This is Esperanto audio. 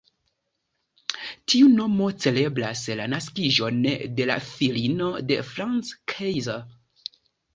Tiu nomo celebras la naskiĝon de la filino de Franz Kaiser.